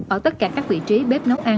ở tất cả các vị trí bếp nấu ăn